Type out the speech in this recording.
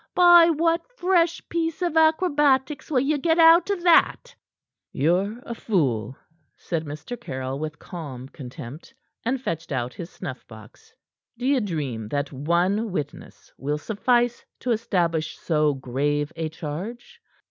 By what fresh piece of acrobatics will you get out of that?" "Ye're a fool," said Mr. Caryll with calm contempt, and fetched out his snuff box. "D'ye dream that one witness will suffice to establish so grave a charge?